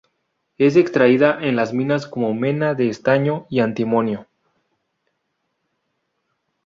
Es extraída en las minas como mena de estaño y antimonio.